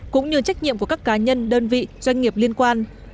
cũng như trách nhiệm của các cá nhân đơn vị doanh nghiệp liên quan